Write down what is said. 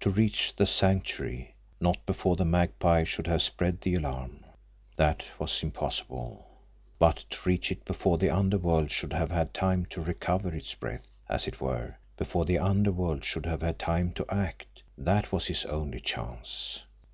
To reach the Sanctuary, not before the Magpie should have spread the alarm, that was impossible, but to reach it before the underworld should have had time to recover its breath, as it were, before the underworld should have had time to act that was his only chance!